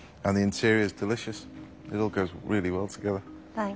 はい。